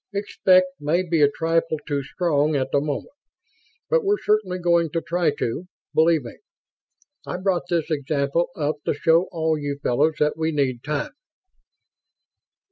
"'Expect' may be a trifle too strong at the moment. But we're certainly going to try to, believe me. I brought this example up to show all you fellows that we need time."